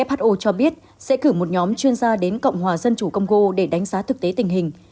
who cho biết sẽ cử một nhóm chuyên gia đến cộng hòa dân chủ congo để đánh giá thực tế tình hình